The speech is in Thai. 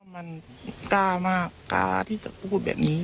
มันกล้ามากกล้าที่จะพูดแบบนี้